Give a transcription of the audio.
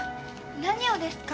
何をですか？